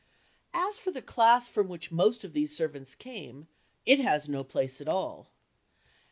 As for the class from which most of these servants came, it has no place at all.